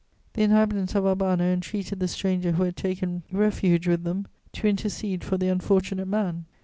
The inhabitants of Albano entreated the stranger who had taken refuge with them to intercede for the unfortunate man.